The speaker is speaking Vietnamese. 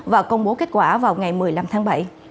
và công bố kết quả vào ngày một mươi năm tháng bảy